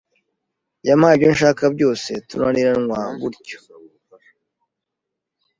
yampaye ibyo nshaka byose tunaniranwa gutyo”